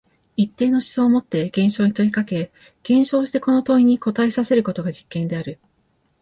一定の思想をもって現象に問いかけ、現象をしてこの問いに答えさせることが実験である。